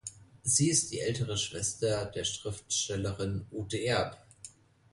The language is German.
Sie ist die ältere Schwester der Schriftstellerin Ute Erb.